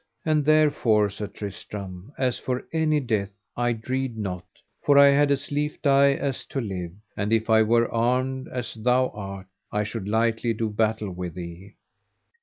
And therefore, Sir Tristram, as for any death I dread not, for I had as lief die as to live. And if I were armed as thou art, I should lightly do battle with thee.